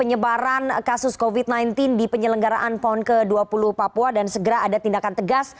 kira kira seperti itu